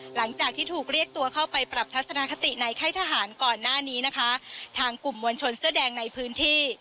หลังจากที่ถูกเรียกตัวเข้าไปปรับทัศนคติในค่ายทหารก่อนหน้านี้นะคะทางกลุ่มมวลชนเสื้อแดงในพื้นที่